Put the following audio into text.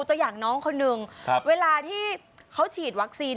ตัวอย่างน้องคนหนึ่งเวลาที่เขาฉีดวัคซีน